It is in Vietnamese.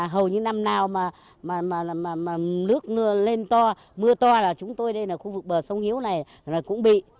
hầu như năm nào mà nước lên to mưa to là chúng tôi đây ở khu vực bờ sông hiếu này cũng bị